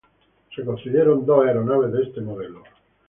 Se construyeron dos aeronaves de este modelo.